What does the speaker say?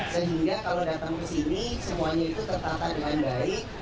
sehingga kalau datang ke sini semuanya itu tertata dengan baik